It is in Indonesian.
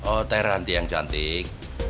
oh teh ranti yang cantik